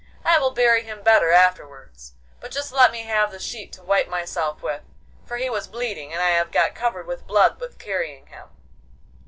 I will bury him better afterwards, but just let me have the sheet to wipe myself with, for he was bleeding, and I have got covered with blood with carrying him.